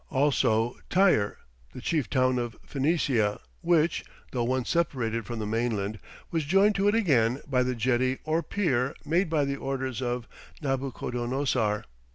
Also Tyre, the chief town of Phoenicia, which, though once separated from the mainland, was joined to it again by the jetty or pier made by the orders of Nabuchodonosor.